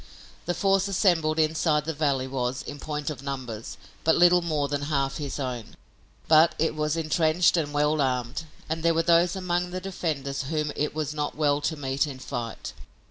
The force assembled inside the valley was, in point of numbers, but little more than half his own, but it was entrenched and well armed, and there were those among the defenders whom it was not well to meet in fight.